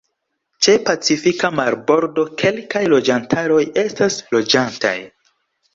Ĉe Pacifika marbordo kelkaj loĝantaroj estas loĝantaj.